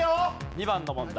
２番の問題。